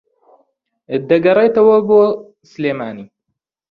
دەگەڕێتەوە بۆ سلێمانی